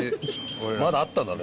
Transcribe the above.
まだあったんだね。